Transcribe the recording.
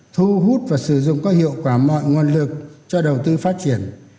thu hút và sử dụng có hiệu quả mọi nguồn lực cho đầu tư phát triển